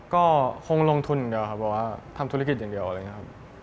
ก็คงลงทุนอย่างเดียวครับเพราะว่าทำธุรกิจอย่างเดียวอะไรอย่างนี้ครับ